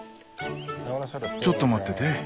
ちょっと待ってて。